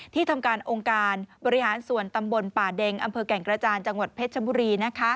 ทำการองค์การบริหารส่วนตำบลป่าเด็งอำเภอแก่งกระจานจังหวัดเพชรชบุรี